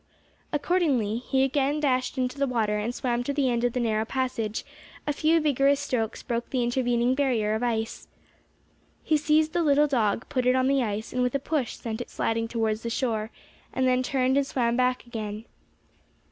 Accordingly he again dashed into the water and swam to the end of the narrow passage; a few vigorous strokes broke the intervening barrier of ice. He seized the little dog, put it on the ice, and with a push sent it sliding towards the shore, and then turned and swam back again.